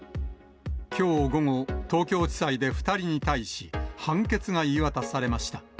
きょう午後、東京地裁で２人に対し、判決が言い渡されました。